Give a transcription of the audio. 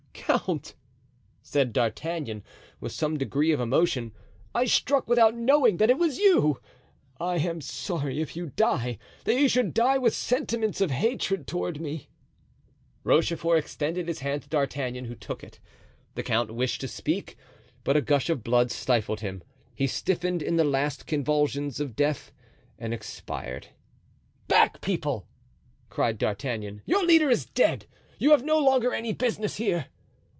"Count!" said D'Artagnan, with some degree of emotion, "I struck without knowing that it was you. I am sorry, if you die, that you should die with sentiments of hatred toward me." Rochefort extended his hand to D'Artagnan, who took it. The count wished to speak, but a gush of blood stifled him. He stiffened in the last convulsions of death and expired. "Back, people!" cried D'Artagnan, "your leader is dead; you have no longer any business here."